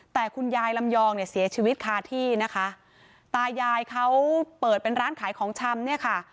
แต่คุณยายลำยองเนี่ยเสียชีวิตคาที่นะคะตายายเขาเปิดเป็นร้านขายของชำเนี่ยค่ะ